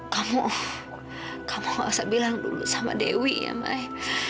kamu gak usah bilang dulu sama dewi ya mai